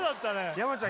山ちゃん